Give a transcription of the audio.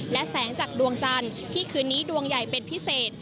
และแสงจากดวงจันทร์ที่คืนนี้ดวงใหญ่เป็นพิเศษ